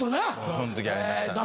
その時はありましたね。